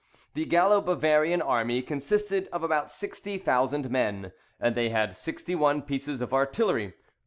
The Gallo Bavarian army consisted of about sixty thousand men, and they had sixty one pieces of artillery.